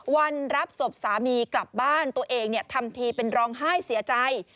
วันรับศพสามีกลับบ้านตัวเองทำทีเป็นร้องไห้เสียใจ